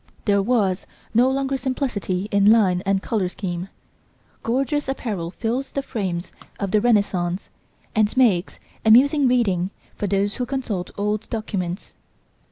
There was no longer simplicity in line and colour scheme; gorgeous apparel fills the frames of the Renaissance and makes amusing reading for those who consult old documents.